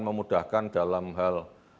memudahkan dalam hal